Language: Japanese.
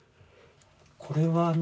これはあの。